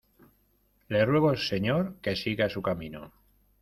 le ruego, señor , que siga su camino.